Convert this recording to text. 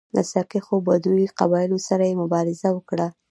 له سرکښو بدوي قبایلو سره یې مبارزه وکړه